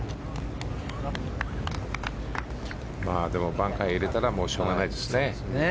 バンカー入れたらしょうがないですね。